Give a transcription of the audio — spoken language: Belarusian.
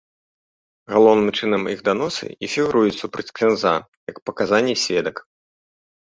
Галоўным чынам іх даносы і фігуруюць супраць ксяндза як паказанні сведак.